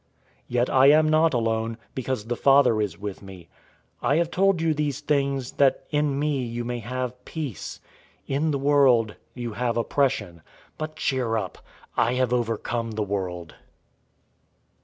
Yet I am not alone, because the Father is with me. 016:033 I have told you these things, that in me you may have peace. In the world you have oppression; but cheer up! I have overcome the world."